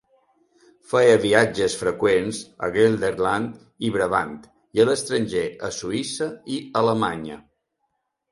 Feia viatges freqüents a Gelderland i Brabant i a l'estranger a Suïssa i a Alemanya.